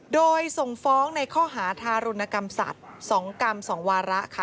โดยส่งฟ้องในข้อหาทารุณกรรมสัตว์๒กรรม๒วาระค่ะ